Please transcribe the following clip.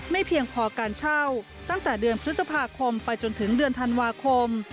เพียงพอการเช่าตั้งแต่เดือนพฤษภาคมไปจนถึงเดือนธันวาคม